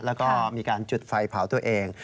แล้วก็มีการจุดไฟเผาตัวเอง